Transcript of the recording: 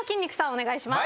お願いします。